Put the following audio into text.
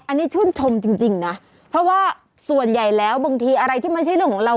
อันนี้ชื่นชมจริงนะเพราะว่าส่วนใหญ่แล้วบางทีอะไรที่ไม่ใช่เรื่องของเรา